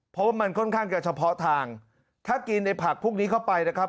เพราะว่ามันค่อนข้างจะเฉพาะทางถ้ากินไอ้ผักพวกนี้เข้าไปนะครับ